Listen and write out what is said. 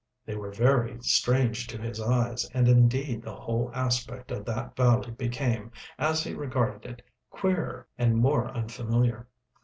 They were very strange to his eyes, and indeed the whole aspect of that valley became, as he regarded it, queerer and more unfamiliar.